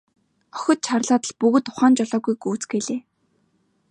Охид чарлаад л бүгд ухаан жолоогүй гүйцгээлээ.